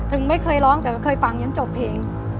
ถึงไม่เคยร้องแต่เคยฟังยังจบเพลง